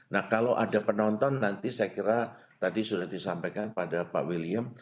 nah kalau ada penonton nanti saya kira tadi sudah disampaikan pada pak william